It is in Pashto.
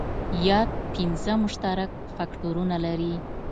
یاد پنځه مشترک فکټورونه لري.